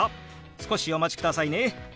少しお待ちくださいね。